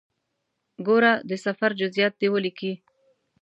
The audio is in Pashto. ګوره د سفر جزئیات دې ولیکې.